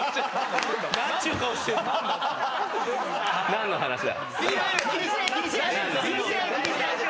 何の話だ？